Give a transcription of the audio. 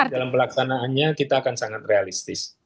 dalam pelaksanaannya kita akan sangat realistis